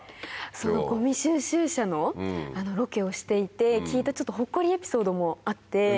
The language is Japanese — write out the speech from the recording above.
ごみ収集車のロケをしていて聞いたちょっとほっこりエピソードもあって。